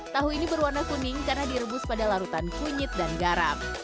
tahu ini berwarna kuning karena direbus pada larutan kunyit dan garam